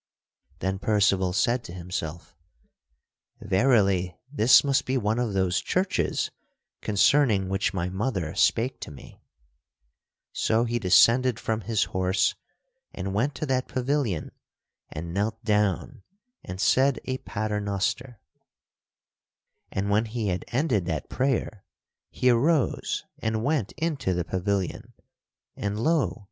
Then Percival said to himself: "Verily, this must be one of those churches concerning which my mother spake to me." So he descended from his horse and went to that pavilion and knelt down and said a pater noster. [Sidenote: Percival enters the golden pavilion] And when he had ended that prayer, he arose and went into the pavilion, and lo!